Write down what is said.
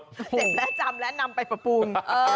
เจ็บแล้วจำแล้วนำไปปรับปรุง